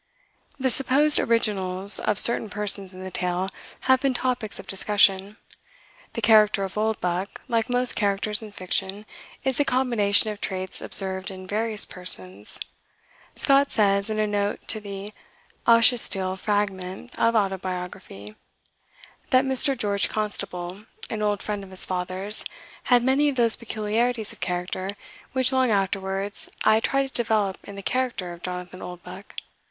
The supposed "originals" of certain persons in the tale have been topics of discussion. The character of Oldbuck, like most characters in fiction, is a combination of traits observed in various persons. Scott says, in a note to the Ashiestiel fragment of Autobiography, that Mr. George Constable, an old friend of his father's, "had many of those peculiarities of character which long afterwards I tried to develop in the character of Jonathan Oldbuck."